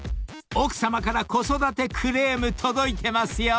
［奥さまから子育てクレーム届いてますよ］